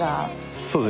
そうですね